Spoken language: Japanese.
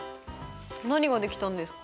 何ができたんですか？